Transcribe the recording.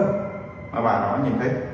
mà bà đó nhìn thấy